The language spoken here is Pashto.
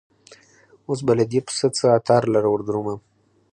اوس به له دې پسه څه عطار لره وردرومم